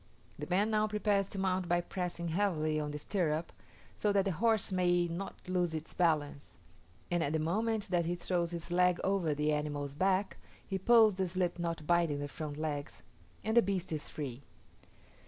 The man now prepares to mount by pressing heavily on the stirrup, so that the horse may not lose its balance; and at the moment that he throws his leg over the animal's back, he pulls the slip knot binding the front legs, and the beast is free.